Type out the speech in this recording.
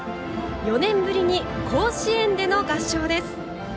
４年ぶりに甲子園での合唱です。